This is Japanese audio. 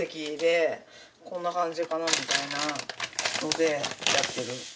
こんな感じかなみたいなのでやってる。